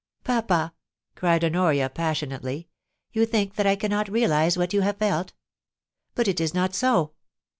*Papa,' cried Honoria, passionately, *you think that I cannot realise what you have felt ; but it is not so.